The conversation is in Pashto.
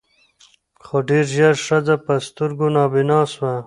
خو ډېر ژر ښځه په سترګو نابینا سوه